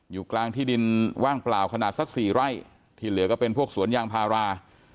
อยู่กลางที่ดินว่างเปล่าขนาดสักสี่ไร่ที่เหลือก็เป็นพวกสวนยางพารา